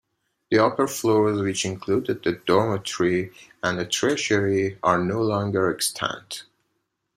The upper floors which included the dormitory and a treasury are no longer extant.